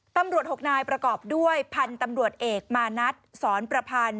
ตำรวจ๖นายประกอบด้วยพันธุ์ตำรวจเอกมานัดสอนประพันธ์